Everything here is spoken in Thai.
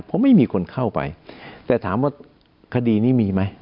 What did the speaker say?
เพราะไม่มีคนเข้าไปแต่ถามว่าคดีนี้มีไหม